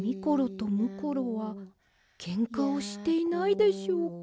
とむころはケンカをしていないでしょうか。